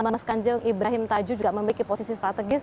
memang ibrahim tajuh juga memiliki posisi strategis